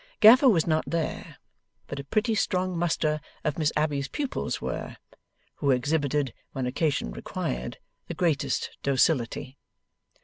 Gaffer was not there, but a pretty strong muster of Miss Abbey's pupils were, who exhibited, when occasion required, the greatest docility.